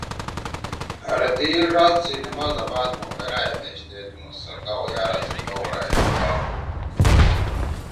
ہردی ڙاد سی نمازا بعد مقبرہ ئے بیشتے تنُو سکا او یارا سی قوَرا ئے دُعا کؤدُود